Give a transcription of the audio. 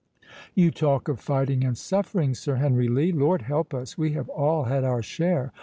"You talk of fighting and suffering, Sir Henry Lee. Lord help us, we have all had our share.